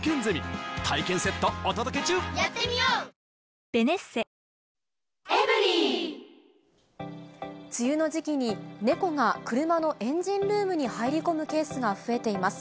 新「ＥＬＩＸＩＲ」梅雨の時期に、猫が車のエンジンルームに入り込むケースが増えています。